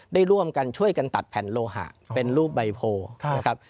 ได้ร่วมกันช่วยกันตัดแผ่นโลหะเป็นรูปใบโพนะครับ